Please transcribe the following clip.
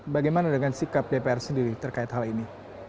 bagaimana dengan sikap dpr sendiri terkait hal ini